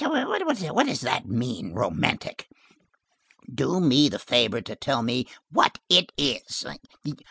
What does that mean, romantic? Do me the favor to tell me what it is.